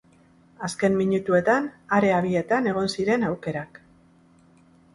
Azken minutuetan area bietan egon ziren aukerak.